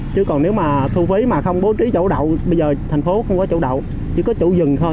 chứ còn nếu mà thu phí mà không bố trí chỗ đậu bây giờ thành phố không có chỗ đậu chỉ có chỗ dừng thôi